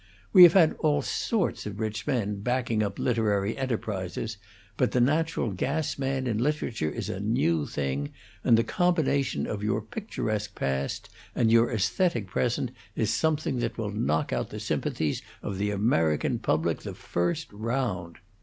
We have had all sorts of rich men backing up literary enterprises, but the natural gas man in literature is a new thing, and the combination of your picturesque past and your aesthetic present is something that will knock out the sympathies of the American public the first round.